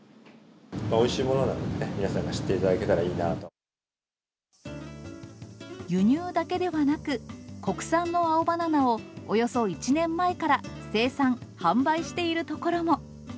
おいしいものなので、皆さん輸入だけではなく、国産の青バナナをおよそ１年前から生産・販売しているところも。